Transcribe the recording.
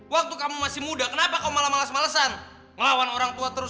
waktu kamu masih muda kenapa kau malah males malesan ngelawan orang tua terus